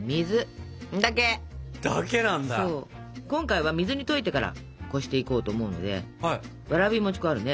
今回は水に溶いてからこしていこうと思うのでわらび餅粉あるね？